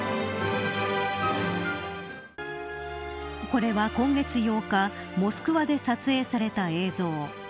これは今月８日モスクワで撮影された映像。